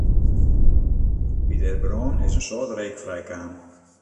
By de brân is in soad reek frijkaam.